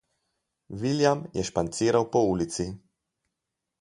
William je španciral po ulici.